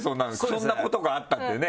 そんなことがあったってね。